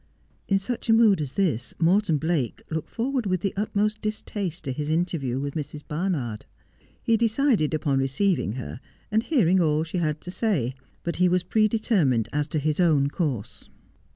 ' In such a mood as this Morton Blake looked forward with the utmost distaste to his interview with Mrs. Barnard. He decided upon receiving her, and hearing all she had to say ; but he was pre determined as to his own course.